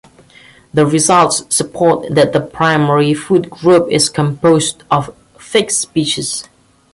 The results support that the primary food group is composed of fig species.